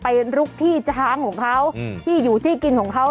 ลุกที่ช้างของเขาที่อยู่ที่กินของเขา